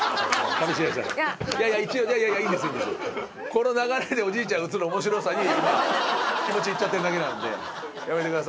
この流れでおじいちゃん映る面白さに今気持ちいっちゃってるだけなんでやめてください。